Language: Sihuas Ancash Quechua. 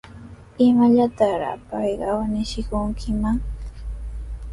¿Imallataraqa payqa awniykishunkiman?